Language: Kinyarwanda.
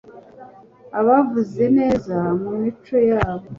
ubavuze neza mu mico yabo